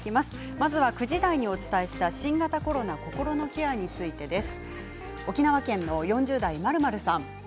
まずは９時台にお伝えした新型コロナ心のケアについてです。